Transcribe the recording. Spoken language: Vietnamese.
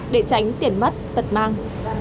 để tránh tiền mất tật mang